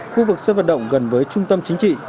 khu vực sân vận động gần với trung tâm chính trị